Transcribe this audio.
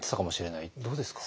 どうですか？